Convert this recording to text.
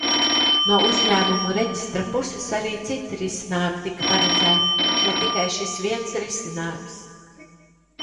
No Uzņēmumu reģistra puses arī citi risinājumi tika paredzēti, ne tikai šis viens risinājums.